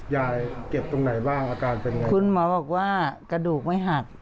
เก็บตรงไหนบ้างอาการเป็นไงคุณหมอบอกว่ากระดูกไม่หัก